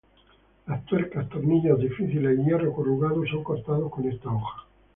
Las tuercas, tornillos difíciles y hierro corrugado son cortados con esta hoja.